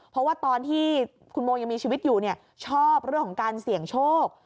เพราะว่าตอนที่คุณโมยังมีชีวิตอยู่ชอบเรื่องของการเสี่ยงโชค